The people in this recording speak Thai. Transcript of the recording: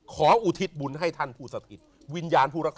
อุทิศบุญให้ท่านผู้สถิตวิญญาณผู้รักษา